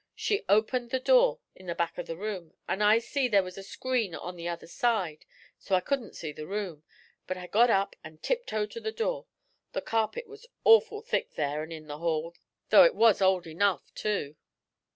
She opened the door in the back of the room, an' I see there was a screen on the other side so I couldn't see the room, but I got up an' tiptoed to the door. The carpet was awful thick there an' in the hall, though it was old enough too.